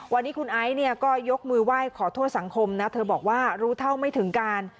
วันนี้คุณไอซ์เนี่ยก็ยกมือไหว้ขอโทษสังคมนะเธอบอกว่ารู้เท่าไม่ถึงการ